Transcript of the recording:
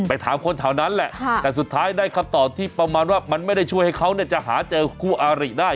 ถามคนแถวนั้นแหละแต่สุดท้ายได้คำตอบที่ประมาณว่ามันไม่ได้ช่วยให้เขาจะหาเจอคู่อาริได้